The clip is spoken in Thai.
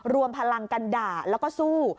รวมพลังกันด่าแล้วก็สู้